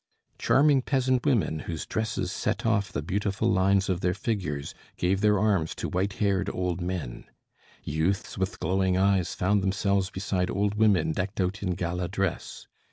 Charming peasant women, whose dresses set off the beautiful lines of their figures, gave their arms to white haired old men. Youths with glowing eyes found themselves beside old women decked out in gala dress.